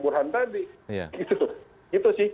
burhan tadi itu sih